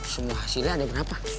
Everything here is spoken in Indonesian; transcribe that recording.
semua hasilnya ada berapa